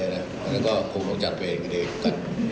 แล้วคงต้องจัดเป็นเองอีก